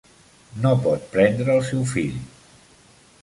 No pot prendre el seu fill.